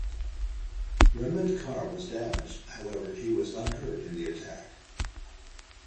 Rehman car was damaged however he was unhurt in the attack.